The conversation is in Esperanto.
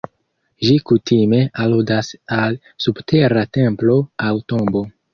Ĝi kutime aludas al subtera templo aŭ tombo.